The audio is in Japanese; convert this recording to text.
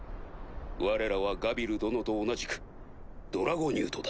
われらはガビル殿と同じくドラゴニュートだ。